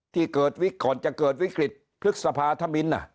ที่เกิดวิกก่อนจะเกิดวิกฤตพฤษภาธมิน